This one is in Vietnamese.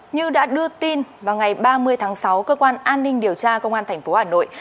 như đã đưa tin vào ngày ba mươi tháng sáu cơ quan an ninh điều tra công an tp hà nội